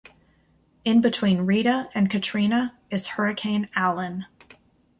In between Rita and Katrina is Hurricane Allen.